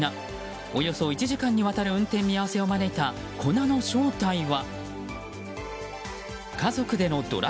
およそ１時間にわたる運転見合わせを招いた粉の正体は？